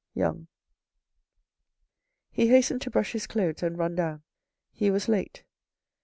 — Young. He hastened to brush his clothes and run down. He was late.